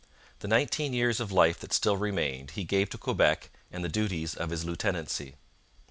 The nineteen years of life that still remained he gave to Quebec and the duties of his lieutenancy.